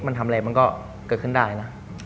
มันทำอะไรมันก็เกิดขึ้นได้นะ